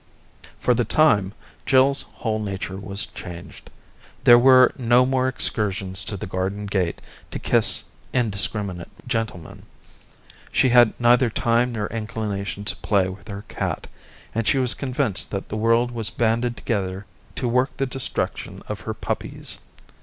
For the time Jill's whole nature was changed ; there were, no more excursions to the garden gate to kiss indiscriminate gentlemen, she had neither time nor inclination to play with her cat, and she was convinced that the world was banded together to work the destruction of her puppies.